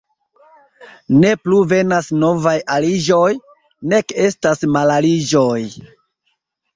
Ne plu venas novaj aliĝoj, nek estas malaliĝoj.